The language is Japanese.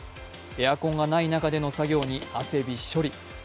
エアコンがない中での作業に汗びっしょり。